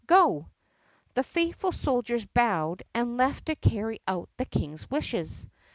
Go!" The faithful soldiers bowed and left to carry out the King's wishes.